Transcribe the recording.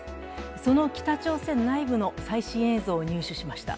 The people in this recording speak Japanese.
その北朝鮮内部の最新映像を入手しました。